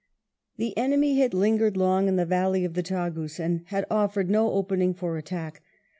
The enemy had lingered long in the valley of the Tagus, and had offered no opening for attack.